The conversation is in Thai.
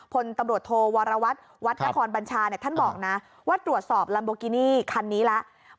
พลตำรวจโทวรวัตรวัดนครบัญชาท่านบอกนะว่าตรวจสอบลัมโบกินี่คันนี้แล้ว